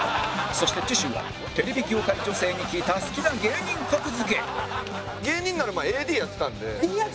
そして次週はテレビ業界女性に聞いた好きな芸人格付け芸人になる前 ＡＤ やってたんで。